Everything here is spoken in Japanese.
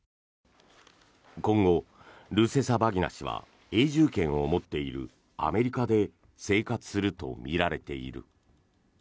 今後、ルセサバギナ氏は永住権を持っているアメリカで生活するとみられている。